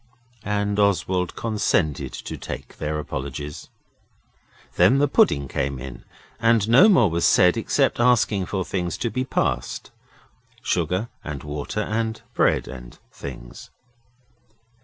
And Oswald consented to take their apologies. Then the pudding came in, and no more was said except asking for things to be passed sugar and water, and bread and things.